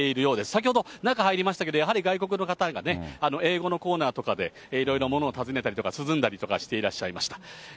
先ほど中入りましたけど、やはり外国の方がね、英語のコーナーとかでいろいろものを尋ねたりとか、涼んだりとかしていらっしゃいました。